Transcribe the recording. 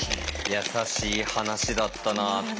優しい話だったなって。